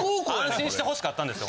安心して欲しかったんですよ。